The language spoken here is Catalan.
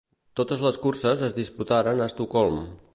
Totes les curses es disputaren a Estocolm.